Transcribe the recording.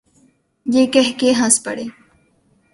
یہ کہہ کے ہنس پڑے۔